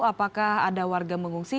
apakah ada warga mengungsi